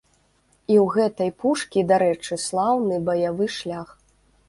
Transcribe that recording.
І ў гэтай пушкі, дарэчы, слаўны баявы шлях.